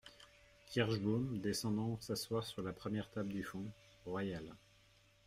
Kirschbaum, descendant s’asseoir sur la première table du fond. — Royal !